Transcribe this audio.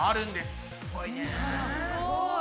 すごい！